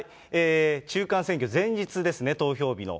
中間選挙前日ですね、投票日の。